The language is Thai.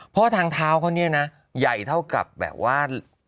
เพราะทางเท้าเขาเนี่ยนะใหญ่เท่ากับแบบว่า